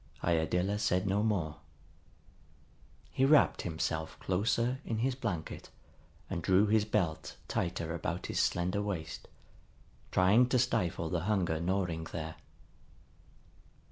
Iadilla said no more. He wrapped himself closer in his blanket and drew his belt tighter about his slender waist, trying to stifle the hunger gnawing there.